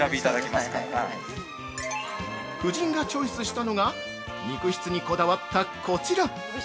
◆夫人がチョイスしたのが肉質にこだわったこちら。